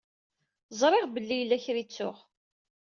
Ẓṛiɣ belli yella kra i ttuɣ.